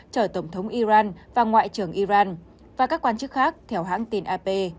chở tổng thống iran và ngoại trưởng iran và các quan chức khác theo hãng tin ap